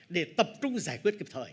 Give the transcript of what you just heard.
để tập trung giải quyết kịp thời